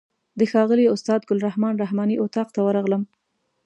د ښاغلي استاد ګل رحمن رحماني اتاق ته ورغلم.